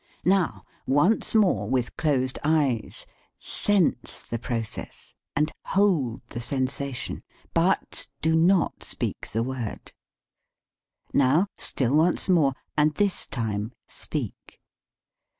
Now, once more, with closed eyes, sense the process and hold the sensation, but do not speak the word. Now, still once more, and this time, speak.